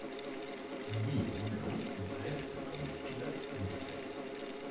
Louis Rouland y reste comme pilote d'essai.